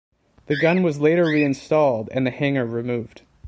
The gun was later re-installed and the hangar removed.